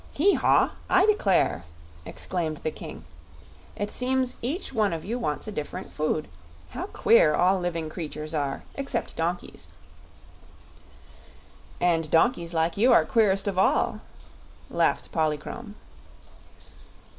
"Hee haw! I declare!" exclaimed the King. "It seems each one of you wants a different food. How queer all living creatures are, except donkeys!" "And donkeys like you are queerest of all," laughed Polychrome.